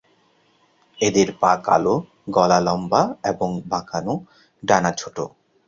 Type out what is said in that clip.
এদের পা কালো, গলা লম্বা এবং বাঁকানো, ডানা ছোট।